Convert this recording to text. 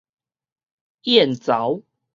燕巢